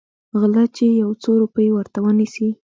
غله چې يو څو روپۍ ورته ونيسي.